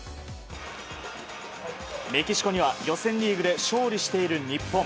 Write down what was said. メキシコには予選リーグで勝利している日本。